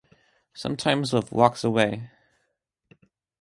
Sometimes love walks away.